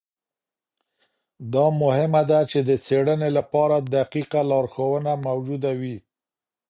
دا مهمه ده چي د څېړنې لپاره دقیقه لارښوونه موجوده وي.